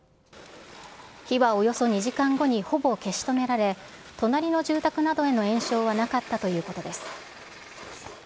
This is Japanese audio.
火はおよそ２時間後にほぼ消し止められ、隣の住宅などへの延焼はなかったということです。